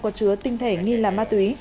có chứa tinh thể nghi là ma túy